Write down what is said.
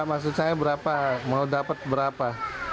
maksud saya berapa mau dapat berapa